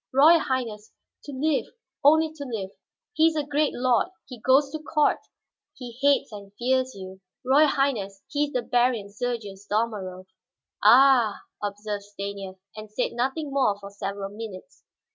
"Royal Highness, to live, only to live. He is a great lord, he goes to court; he hates and fears you. Royal Highness, he is the Baron Sergius Dalmorov." "Ah," observed Stanief, and said nothing more for several minutes.